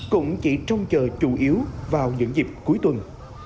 cũng chỉ trông chờ chủ yếu vào những dịp cuối tuần